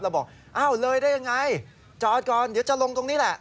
แล้วบอกอ้าวเลยได้ยังไงจอดก่อนเดี๋ยวจะลงตรงนี้แหละ